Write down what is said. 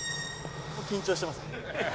「緊張してますね」